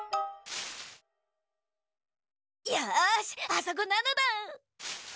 よしあそこなのだ。